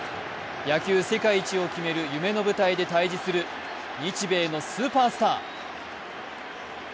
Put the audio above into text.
野球世界一を決める夢の舞台で対峙する日米のスーパースター。